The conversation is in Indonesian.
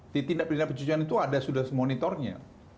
di tindak pidana pencucian itu ada sudah monitornya